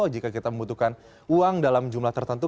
jika kita membutuhkan uang dalam jumlah tertentu